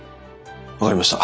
分かりました！